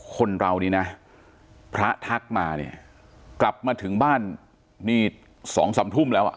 คนเรานี่นะพระทักมาเนี่ยกลับมาถึงบ้านนี่สองสามทุ่มแล้วอ่ะ